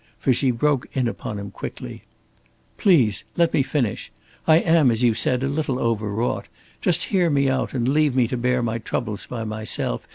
For she broke in upon him quickly: "Please, let me finish. I am, as you said, a little over wrought! Just hear me out and leave me to bear my troubles by myself.